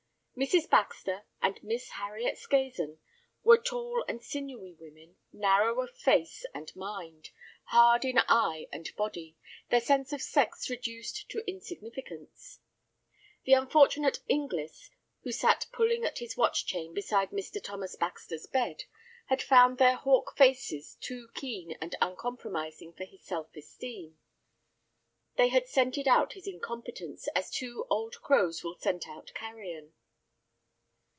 Mrs. Baxter and Miss Harriet Season were tall and sinewy women, narrow of face and mind, hard in eye and body, their sense of sex reduced to insignificance. The unfortunate Inglis, who sat pulling at his watch chain beside Mr. Thomas Baxter's bed, had found their hawk faces too keen and uncompromising for his self esteem. They had scented out his incompetence as two old crows will scent out carrion.